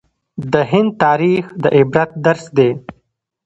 د هند تاریخ د عبرت درس دی.